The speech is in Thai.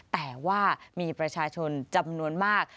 แต่ว่ามีประชาชนจำนวนมาก